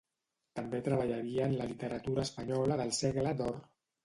També treballaria en la literatura espanyola del Segle d'Or.